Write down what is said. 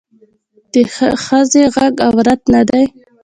د ښخي غږ عورت نه دی